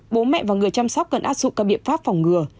bố mẹ và người chăm sóc cần áp dụng các biện pháp phòng ngừa